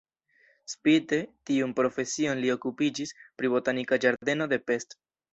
Spite tiun profesion li okupiĝis pri botanika ĝardeno de Pest.